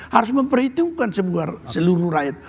harus memperhitungkan seluruh rakyat